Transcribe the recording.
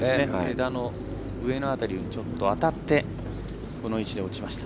枝の上の辺りにちょっと当たってこの位置に落ちました。